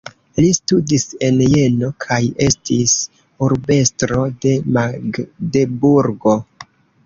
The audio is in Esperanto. Li studis en Jeno kaj estis urbestro de Magdeburgo.